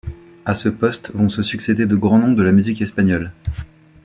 À ce poste vont se succéder de grands noms de la musique espagnole.